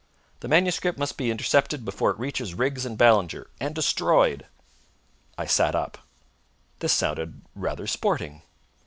"The manuscript must be intercepted before it reaches Riggs and Ballinger, and destroyed!" I sat up. This sounded rather sporting.